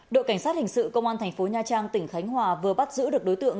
đội cảnh sát hình sự công an thành phố nha trang tỉnh khánh hòa vừa bắt giữ được đối tượng